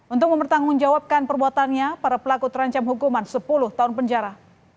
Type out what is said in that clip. untuk mempertanggungjawabkan perbuatannya para pelaku terancam hukuman sepuluh tahun penjara